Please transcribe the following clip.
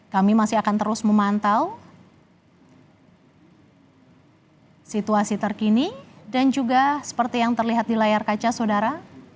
kami masih akan terus memantau situasi terkini dan juga seperti yang terlihat di layar kaca saudara